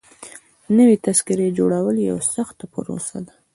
نوي تذکيري جوړول يوه سخته پروسه ده.